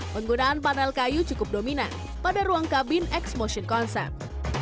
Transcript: penggunaan panel kayu cukup dominan pada ruang kabin x motion concept